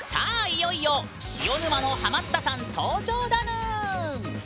いよいよ「塩沼」のハマったさん登場だぬん！